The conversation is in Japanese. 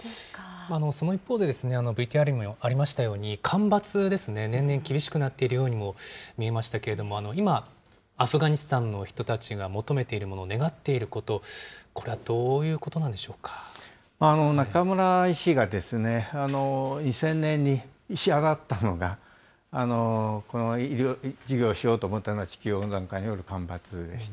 その一方で、ＶＴＲにもありましたように、干ばつですね、年々厳しくなっているようにも見えましたけれども、今、アフガニスタンの人たちが求めているもの、願っていること、これはどういう中村医師が２０００年に医者だったのが、医療事業をしようと思ったのは、地球温暖化による干ばつでした。